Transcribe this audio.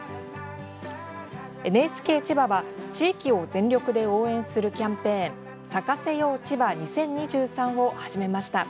ＮＨＫ千葉は、地域を全力で応援するキャンペーン咲かせよう千葉２０２３を始めました。